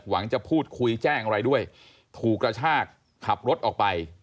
จะพูดคุยแจ้งอะไรด้วยถูกกระชากขับรถออกไป